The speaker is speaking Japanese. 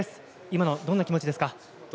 今、どんなお気持ちですか？